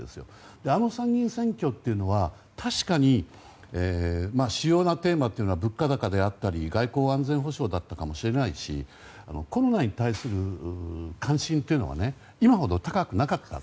あの参議院選挙は確かに、主要なテーマというのは物価高であったり外交・安全保障だったかもしれないしコロナに対する関心は今ほど高くなかった。